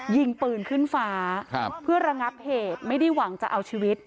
ยิงปืนขึ้นฟ้าเพื่อระงับเหตุไม่ได้หวังจะเอาชีวิต